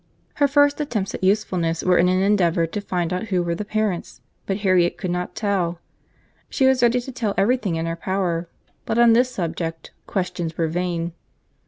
Her first attempts at usefulness were in an endeavour to find out who were the parents, but Harriet could not tell. She was ready to tell every thing in her power, but on this subject questions were vain.